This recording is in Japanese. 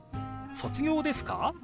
「卒業ですか？」。